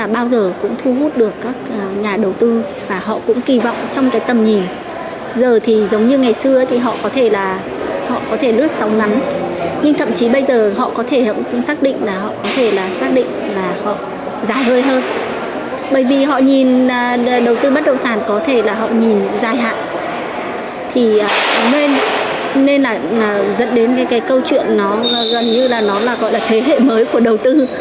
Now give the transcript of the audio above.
bởi vì họ nhìn đầu tư bắt đầu sản có thể là họ nhìn dài hạn nên là dẫn đến cái câu chuyện nó gần như là nó là gọi là thế hệ mới của đầu tư